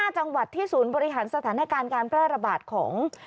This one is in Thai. ๕จังหวัดที่ศูนย์บริหารสถานการณ์การแพร่ระบาดของ